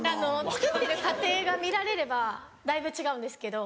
作ってる過程が見られればだいぶ違うんですけど。